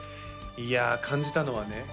いや感じたのはね